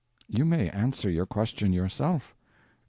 You may answer your question yourself.